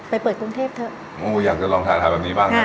ไปเปิดกรุงเทพเถอะอยากจะลองทานแบบนี้บ้าง